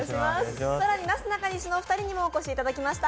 更になすなかにしのお二人にもお越しいただきました。